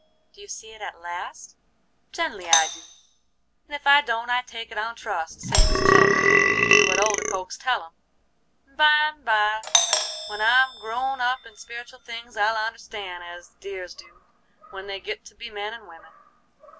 "Do you see it at last?" "Gen'lly I do; and if I don't I take it on trust, same as children do what older folks tell 'em; and byme by when I'm grown up in spiritual things I'll understan' as the dears do, when they git to be men and women."